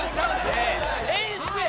演出や。